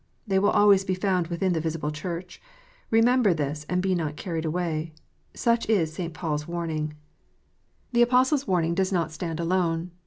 They will always be found within the visible Church. Remember this, and be not carried away." Such is St. Paul s warning. DIVERS AND STRANGE DOCTRINES. 349 The Apostle s warning does not stand alone.